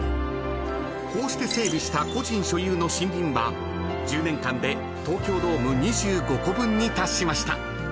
［こうして整備した個人所有の森林は１０年間で東京ドーム２５個分に達しました］